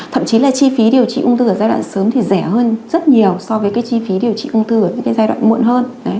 thậm chí là chi phí điều trị ung thư ở giai đoạn sớm thì rẻ hơn rất nhiều so với cái chi phí điều trị ung thư ở những cái giai đoạn muộn hơn